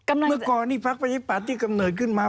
เมื่อก่อนนี้พักประชาธิปัตย์ที่กำเนิดขึ้นมา